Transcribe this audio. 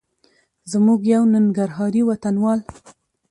زموږ یو ننګرهاري وطنوال